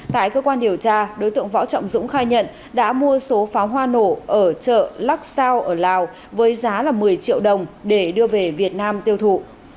tại cơ quan điều tra đối tượng võ trọng dũng khai nhận đã mua số pháo hoa nổ ở chợ lắc sao ở lào với giá một mươi triệu đồng để đưa về việt nam tiêu thụ